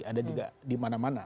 ada juga di mana mana